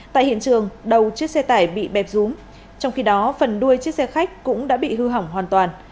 tại hiện trường đầu chiếc xe tải bị bẹp rúm trong khi đó phần đuôi chiếc xe khách cũng đã bị hư hỏng hoàn toàn